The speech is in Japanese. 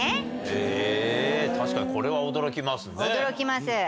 へぇ確かにこれは驚きますね。